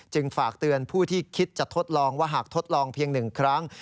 ฝากเตือนผู้ที่คิดจะทดลองว่าหากทดลองเพียง๑ครั้ง